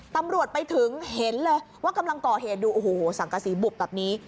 ตำรวจไปถึงเห็นเลยว่ากำลังก่อเหตุดูโอ้โหสังกษีบุบแบบนี้